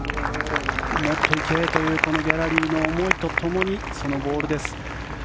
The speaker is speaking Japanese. もっと行けというギャラリーの思いとともにそのボールです。